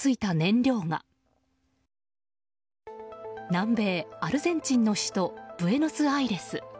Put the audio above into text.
南米アルゼンチンの首都ブエノスアイレス。